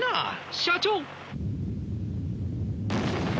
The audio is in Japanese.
社長！